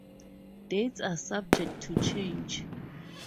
Dates are subject to change.